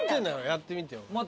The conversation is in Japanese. やってみてよ。